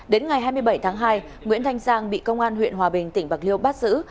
đến ngày hai mươi bảy tháng hai nguyễn thanh giang bị công an huyện hòa bình tỉnh bạc liêu bắt giữ